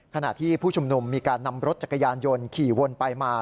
ขณะที่ผู้ชุมนุมมีการนำรถจักรยานยนต์ขี่วนไปมา